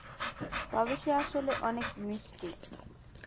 তবে সে আসলে অনেক মিষ্টি।